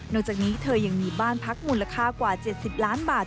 จากนี้เธอยังมีบ้านพักมูลค่ากว่า๗๐ล้านบาท